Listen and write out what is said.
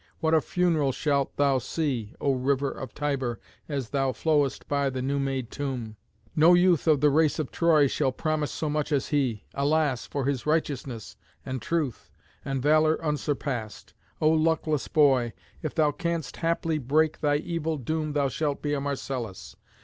What a funeral shalt thou see, O river of Tiber, as thou flowest by the new made tomb! No youth of the race of Troy shall promise so much as he. Alas! for his righteousness, and truth, and valour unsurpassed! O luckless boy, if thou canst haply break thy evil doom thou shalt be a Marcellus.